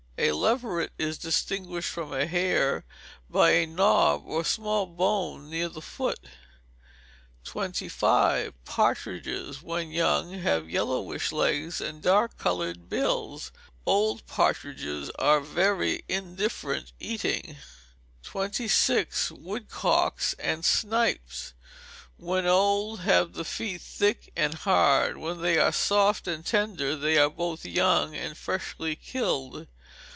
A leveret is distinguished from a hare by a knob or small bone near the foot. 25. Partridges, when young, have yellowish legs and dark coloured bills. Old partridges are very indifferent eating. 26. Woodcocks and Snipes, when old, have the feet thick and hard; when these are soft and tender, they are both young and fresh killed.